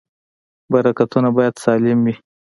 برېکونه باید سالم وي.